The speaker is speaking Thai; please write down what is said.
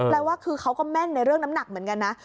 ว่าคือเขาก็แม่นในเรื่องน้ำหนักเหมือนกันนะ